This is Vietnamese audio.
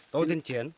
tôi tên triển